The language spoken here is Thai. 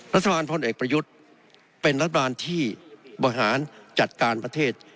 รัฐบาลพลเอกประยุทธ์เป็นรัฐบาลที่บริหารจัดการประเทศ